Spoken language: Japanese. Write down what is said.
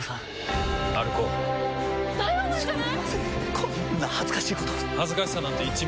こんな恥ずかしいこと恥ずかしさなんて１ミリもない。